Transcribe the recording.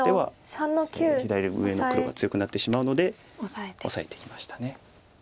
左上の黒が強くなってしまうのでオサえていきました。